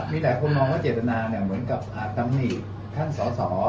มีหลายคนมองว่าเจตนามันแบบตำหนี่ท่านสส